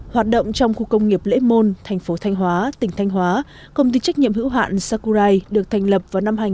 hoạt động trong khu công nghiệp lễ môn thành phố thanh hóa tỉnh thanh hóa công ty trách nhiệm hữu hạn sakurai được thành lập vào năm hai nghìn một mươi